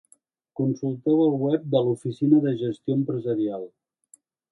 Consulteu al web de l'Oficina de Gestió Empresarial.